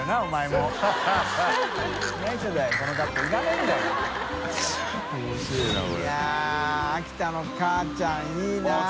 い筺秋田の「かあちゃん」いいなぁ。